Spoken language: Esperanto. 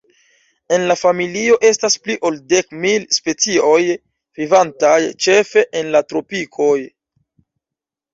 En la familio estas pli ol dek mil specioj, vivantaj ĉefe en la tropikoj.